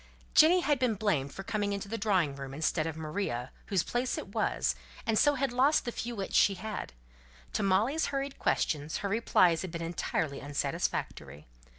Jenny had been blamed for coming into the drawing room instead of Maria, whose place it was, and so had lost the few wits she had. To Molly's hurried questions her replies had been entirely unsatisfactory.